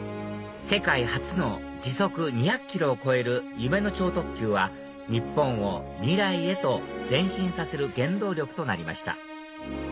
世界初の時速２００ｋｍを超える「夢の超特急」は日本を未来へと前進させる原動力となりました